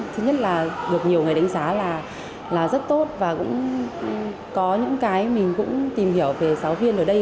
thứ nhất là được nhiều người đánh giá là rất tốt và cũng có những cái mình cũng tìm hiểu về giáo viên ở đây